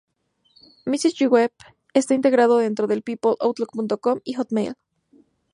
Messenger Web está integrado dentro de People, Outlook.com y Hotmail.